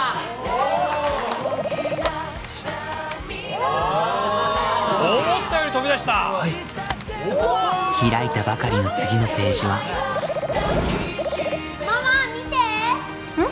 わーっ思ったよりとびだしたはいっ開いたばかりの次のページはママ見てーうん？